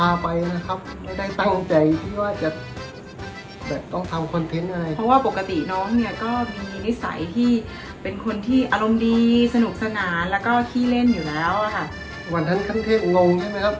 แล้วก็ที่เล่นอยู่แล้วค่ะวันนั้นขั้นเทพงงใช่ไหมครับ